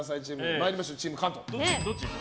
参りましょう、チーム関東。